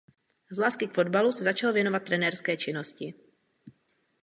Z lásky k fotbalu se začal věnovat trenérské činnosti.